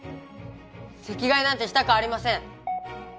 席替えなんてしたくありません！